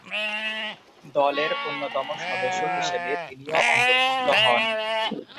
দলের অন্যতম সদস্য হিসেবে তিনিও অন্তর্ভুক্ত হন।